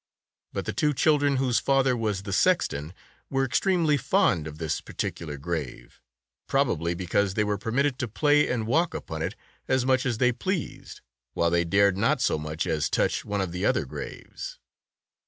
But the two children, whose father was the sexton, were extremely fond of this particular grave. Probably because they were permitted to play and walk upon it as much as they pleased, while they dared not so much as touch one of the other graves.